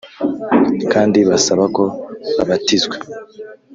kandi basaba ko babatizwa